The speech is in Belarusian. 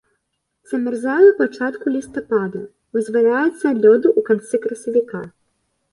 Замярзае ў пачатку лістапада, вызваляецца ад лёду ў канцы красавіка.